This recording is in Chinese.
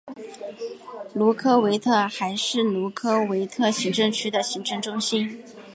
卢科维特还是卢科维特行政区的行政中心。